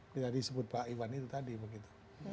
tidak disebut pak iwan itu tadi begitu